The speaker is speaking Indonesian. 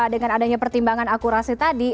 dengan adanya pertimbangan akurasi tadi